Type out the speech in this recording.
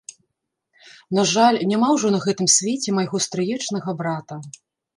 На жаль, няма ўжо на гэтым свеце майго стрыечнага брата.